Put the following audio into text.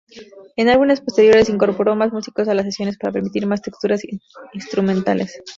En álbumes posteriores, incorporó más músicos a las sesiones para permitir más texturas instrumentales.